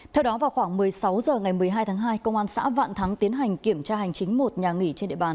theo đó vào khoảng một mươi sáu h ngày một mươi hai tháng hai công an xã vạn thắng tiến hành kiểm tra hành chính một nhà nghỉ trên địa bàn